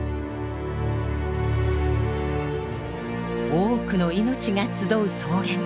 多くの命が集う草原。